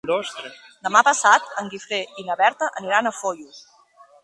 Demà passat en Guifré i na Berta aniran a Foios.